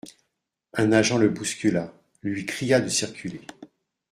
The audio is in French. Un agent le bouscula, lui cria de circuler.